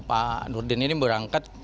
pak nurdin ini berangkat